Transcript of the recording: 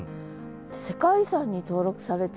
世界遺産に登録されてるって。